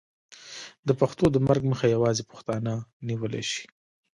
د پښتو د مرګ مخه یوازې پښتانه نیولی شي.